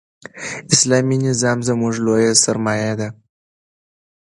اسلامي نظام زموږ لویه سرمایه ده.